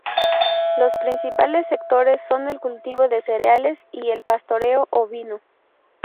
Los principales sectores son el cultivo de cereales y el pastoreo ovino.